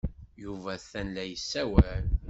Yuba atan la yessawal.